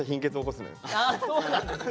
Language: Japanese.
あそうなんですか？